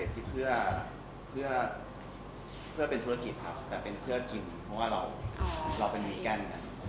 ที่เพื่อเป็นธุรกิจครับแต่เป็นเพื่อกินเพราะว่าเราเป็นมิแกน